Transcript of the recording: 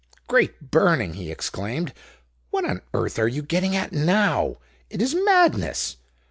"Great burning!" he exclaimed. "What on earth are you getting at now? It is madness.